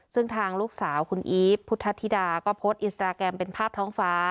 ซึ่งทางลูกสาวคุณอีฟพุทธธิดาก็โพสต์อินสตราแกรมเป็นภาพท้องฟ้า